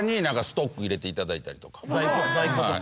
在庫とか。